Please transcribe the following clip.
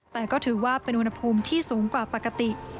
แต่ก็ถือว่าเป็นอุณหภูมิที่สูงกว่าปกติ